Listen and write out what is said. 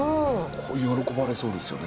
喜ばれそうですよね。